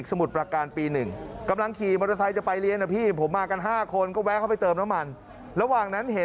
ดูมี่ดฟันได้รับบาดเจ็บได้รับบาดเจ็บ